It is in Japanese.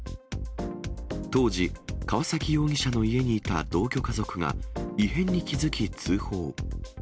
当時、川崎容疑者の家にいた同居家族が異変に気付き通報。